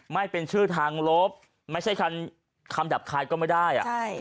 ไม่เป็นชื่อทางลบไม่ใช่คำหยาบคายก็ไม่ได้